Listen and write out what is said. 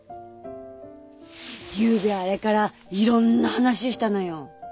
ゆうべあれからいろんな話したのよ。